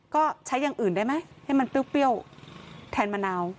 ก็ใช้อย่างอื่นได้ไหมให้มันเปรี้ยวแทนมะนาว